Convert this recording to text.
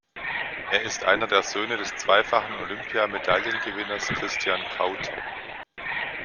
Er ist einer der Söhne des zweifachen Olympia-Medaillengewinners Christian Kauter.